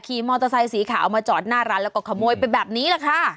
ขี่มอเตอร์ไซค์สีขาวมาจอดหน้าร้านแล้วก็ขโมยไปแบบนี้แหละค่ะ